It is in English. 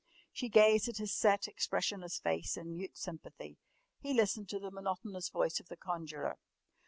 She gazed at his set, expressionless face in mute sympathy. He listened to the monotonous voice of the conjurer.